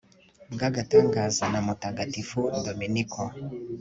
bw'agatangaza na mutagatifu dominiko